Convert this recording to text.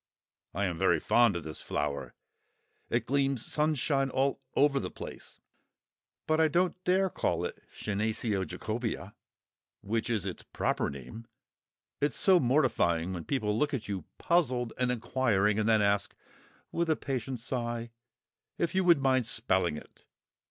I am very fond of this flower; it gleams sunshine all over the place; but I don't care to call it Senecio Jacobœa, which is its proper name; it's so mortifying when people look at you puzzled and inquiring, and then ask, with a patient sigh, if you would mind spelling it!